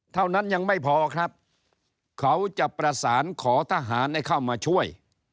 เท่านั้นยังไม่พอครับเขาจะประสานขอทหารให้เข้ามาช่วย